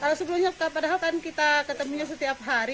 kalau sebelumnya padahal kan kita ketemunya setiap hari